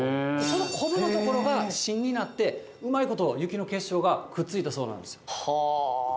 そのこぶの所が芯になって、うまいこと雪の結晶がくっついたそうなんですよ。